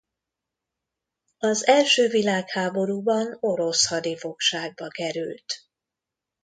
Az első világháborúban orosz hadifogságba került.